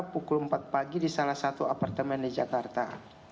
pukul empat pagi di salah satu apartemen di jakarta